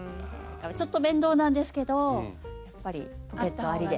ちょっと面倒なんですけどやっぱりポケットありで。